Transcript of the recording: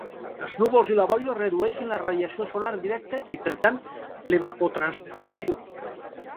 Els núvols i la boira redueixen la radiació solar directa i per tant l'evapotranspiració.